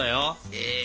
えっ？